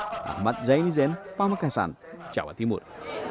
mbak mbak jain jain pak mbak kaisan cak wati murt